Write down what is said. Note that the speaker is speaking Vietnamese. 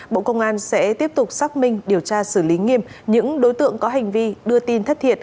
bộ công an sẽ tiếp tục xác minh điều tra xử lý nghiêm những đối tượng có hành vi đưa tin thất thiệt